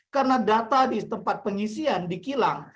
karena data di tempat pengisian di kilang